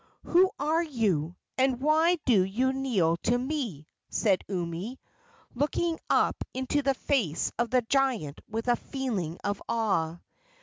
"Who are you, and why do you kneel to me?" said Umi, looking up into the face of the giant with a feeling of awe.